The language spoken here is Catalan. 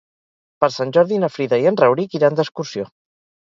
Per Sant Jordi na Frida i en Rauric iran d'excursió.